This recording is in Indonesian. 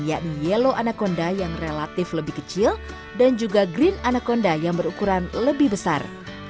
yakni yello anaconda yang relatif lebih kecil dan juga green anaconda yang berukuran lebih besar